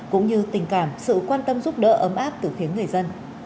cũng như tình cảm sự quan tâm giúp đỡ ấm áp tự khiến người dân